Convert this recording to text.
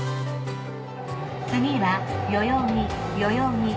次は代々木代々木。